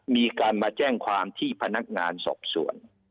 มีการมาแจ้งความที่พนักงานสอบสวน